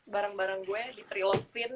bareng bareng gue di prelovin